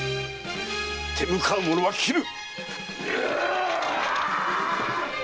手向かう者は斬る！